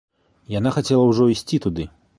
Яна хацела ўжо ісці туды.